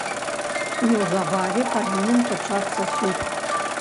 Неўзабаве павінен пачацца суд.